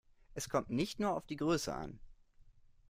Es kommt nicht nur auf die Größe an.